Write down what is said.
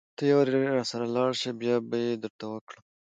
ته يوارې راسره لاړ شه بيا به يې درته وکړم.